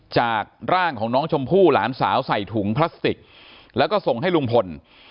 จากร่างของน้องชมพู่หลานสาวใส่ถุงพลาสติกแล้วก็ส่งให้ลุงพล